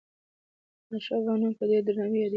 د احمدشاه بابا نوم په ډېر درناوي یادیږي.